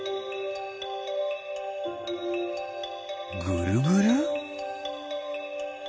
ぐるぐる？